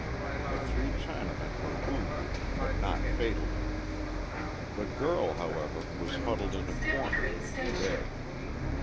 The three Chinamen were wounded, but not fatally. The girl, however, was huddled in a corner, dead.